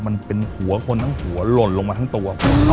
มันเป็นหัวคนทั้งหัวหล่นลงมาทั้งตัว